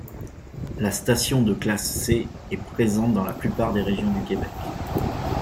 La station de classe C est présente dans la plupart des régions du Québec.